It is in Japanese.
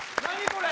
これ！